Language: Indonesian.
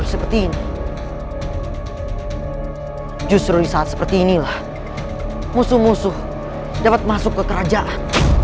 tidur seperti ini justru di saat seperti inilah musuh musuh dapat masuk ke kerajaan